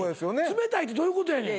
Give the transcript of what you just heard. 冷たいってどういうことやねん。